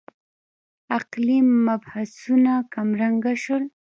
عقلي مبحثونه کمرنګه شول.